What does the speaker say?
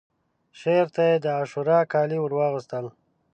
شعر ته یې د عاشورا کالي ورواغوستل